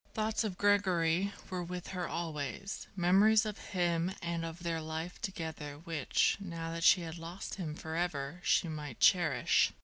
Thoughts of Gregory were with her always, memories of him and of their life together which, now that she had lost him forever, she might cherish.